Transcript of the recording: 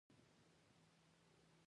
زه په امریکا کې چېرته اوسېږم.